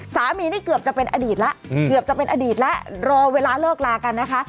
นี่เกือบจะเป็นอดีตแล้วเกือบจะเป็นอดีตแล้วรอเวลาเลิกลากันนะคะ